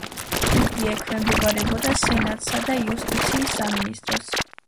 იგი ექვემდებარებოდა სენატსა და იუსტიციის სამინისტროს.